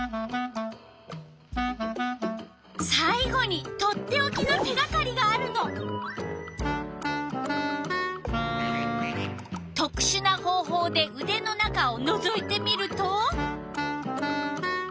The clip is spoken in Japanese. さいごに取っておきの手がかりがあるの。とくしゅな方ほうでうでの中をのぞいてみると。